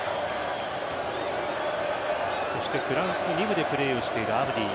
そしてフランス２部でプレーをしているアブディ。